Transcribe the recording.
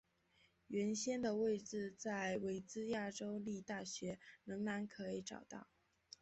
原先的位置在维兹亚州立大学仍然可以找到。